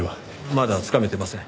まだつかめていません。